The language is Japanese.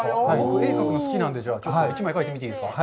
絵を描くの好きなんで、１枚描いてみてもいいですか？